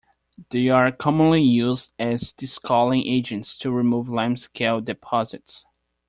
They are commonly used as descaling agents to remove limescale deposits.